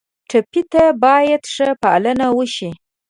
ټپي ته باید ښه پالنه وشي.